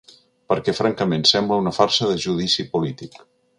Perquè, francament, sembla una farsa de judici polític.